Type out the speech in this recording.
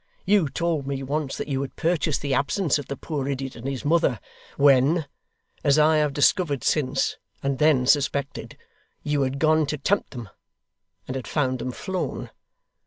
You told me once that you had purchased the absence of the poor idiot and his mother, when (as I have discovered since, and then suspected) you had gone to tempt them, and had found them flown.